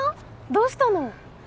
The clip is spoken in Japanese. どうしたの？